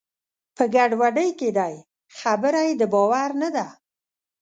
په ګډوډۍ کې دی؛ خبره یې د باور نه ده.